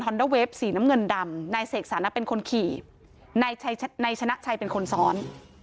เดอร์เวฟสีน้ำเงินดำนายเสกสรรเป็นคนขี่นายชนะชัยเป็นคนซ้อน